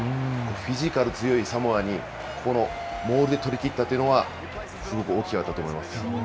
フィジカル強いサモアに、このモールで取りきったというのは、すごく大きかったと思います。